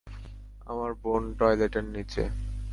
আমার বোন টয়লেটের নিচে।